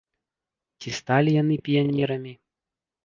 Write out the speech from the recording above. Ці сталі яны піянерамі?